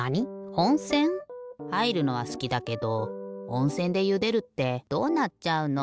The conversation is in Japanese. おんせん？はいるのはすきだけどおんせんでゆでるってどうなっちゃうの？